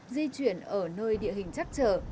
di chuyển ở nơi địa hình chắc chở